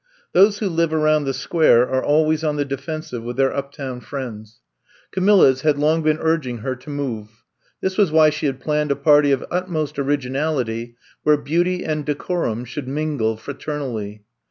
Those who live around the Square are always on the defensive with their uptown friends. 130 I'VE COME TO STAY 131 Camilla's had long been urging her to move. This was why she had planned a party of utmost originality where beauty and decorum should mingle fraternally.